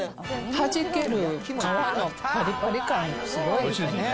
弾ける皮のぱりぱり感、すごいですね。